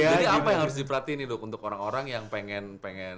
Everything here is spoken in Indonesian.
jadi apa yang harus diperhatiin nih dok untuk orang orang yang pengen pengen